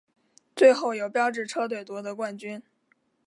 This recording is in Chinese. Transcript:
最后由标致车队夺得冠军。